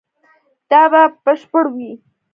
دا به بشپړ وي